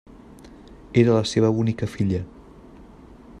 Era la seva única filla.